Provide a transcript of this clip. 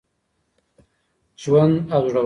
ژوند او زړورتیا